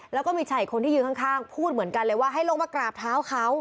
แล้วก็มีชายอีกคนที่ยืนข้างพูดเหมือนกันเลยว่าให้ลงมากราบเท้าเขา